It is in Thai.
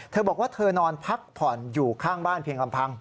เธอบอกว่าเธอนอนพักผ่อนอยู่ข้างบ้านเพียงลำพัง